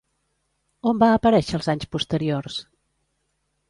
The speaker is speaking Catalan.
On va aparèixer els anys posteriors?